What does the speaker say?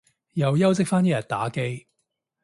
又休息返一日打機